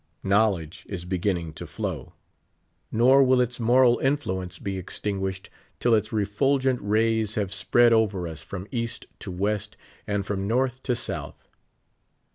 Knowledge is beginning to flow, ; nor 79 Vil| its moral influence be extinguished till its refulgent ray? X have spread over us from East to West and from Nort^ to South.